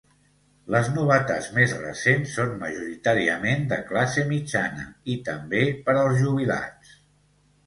Les novetats més recents són majoritàriament de classe mitjana, i també per als jubilats.